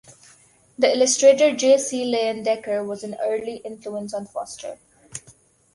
The illustrator J. C. Leyendecker was an early influence on Foster.